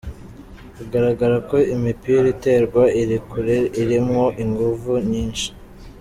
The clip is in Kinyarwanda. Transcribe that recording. Bigaragara ko imipira iterwa iri kure irimwo inguvu nyinshi.